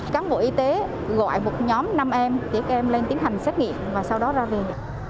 các bộ y tế gọi một nhóm năm em tiết em lên tiến hành xét nghiệm và sau đó ra về